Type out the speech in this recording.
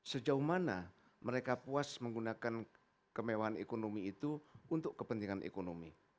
sejauh mana mereka puas menggunakan kemewahan ekonomi itu untuk kepentingan ekonomi